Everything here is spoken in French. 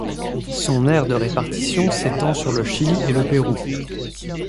Son aire de répartition s'étend sur le Chili et le Pérou.